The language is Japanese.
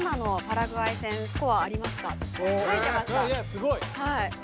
すごい！